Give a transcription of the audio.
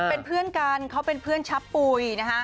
เป็นเพื่อนกันเขาเป็นเพื่อนชับปุ๋ยนะฮะ